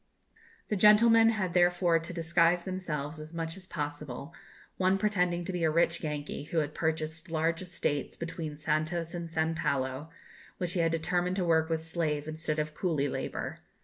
The gentlemen had therefore to disguise themselves as much as possible, one pretending to be a rich Yankee, who had purchased large estates between Santos and San Paulo, which he had determined to work with slave instead of coolie labour.